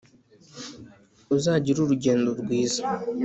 uzagire urugendo rwiza.